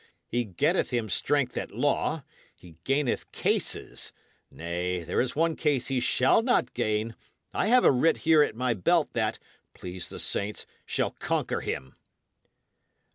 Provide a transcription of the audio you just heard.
He getteth him strength at law; he gaineth cases; nay, there is one case he shall not gain I have a writ here at my belt that, please the saints, shall conquer him."